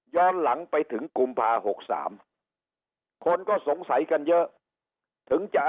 ย้อนหลังไปถึงกุมพาหกสามคนก็สงสัยกันเยอะถึงจะ